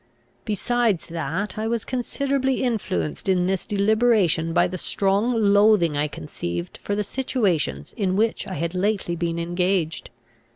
Besides, that I was considerably influenced in this deliberation by the strong loathing I conceived for the situations in which I had lately been engaged.